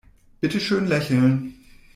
Bitte schön lächeln.